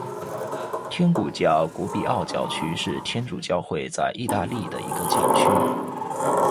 天主教古比奥教区是天主教会在义大利的一个教区。